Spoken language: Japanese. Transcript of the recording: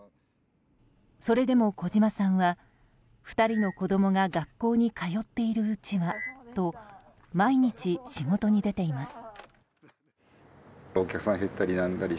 それでも小嶋さんは２人の子供が学校に通っているうちはと毎日、仕事に出ています。